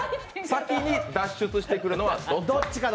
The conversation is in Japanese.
先に脱出してくるのはどっちか。